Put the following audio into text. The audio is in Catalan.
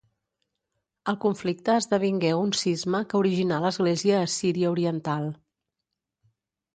El conflicte esdevingué un cisma que originà l'Església Assíria Oriental.